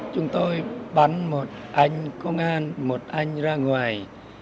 chúng tôi bắn một anh công an một anh ra ngoài